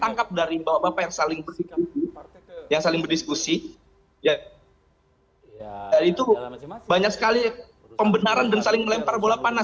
sekali beberapa petra linguran disegujurnya itu banyak sekali pembenaran dan saling melempar bola